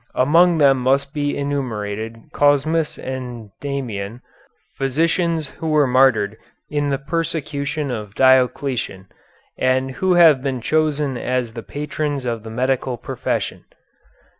Among them must be enumerated Cosmas and Damian, physicians who were martyred in the persecution of Diocletian, and who have been chosen as the patrons of the medical profession.